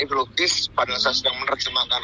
ideologis pada saat sedang menerjemahkan